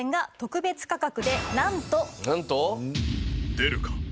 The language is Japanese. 出るか？